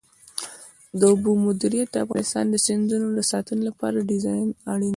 د اوبو مدیریت د افغانستان د سیندونو د ساتنې لپاره ډېر اړین دی.